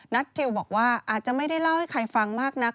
ทิวบอกว่าอาจจะไม่ได้เล่าให้ใครฟังมากนัก